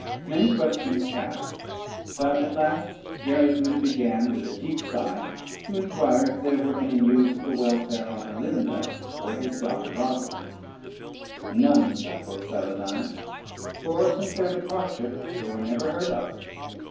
Many questions passed, but at last Gerismond began with a deep sigh to inquire if there were any news of the welfare of Alinda, or his daughter Rosalynde? "None, sir," quoth Saladyne, "for since their departure they were never heard of."